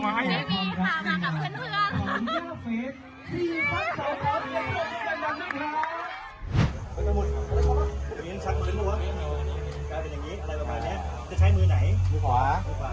กลายเป็นอย่างงี้อะไรเบาหลายเนี้ยจะใช้มือไหนมือขวามือขวา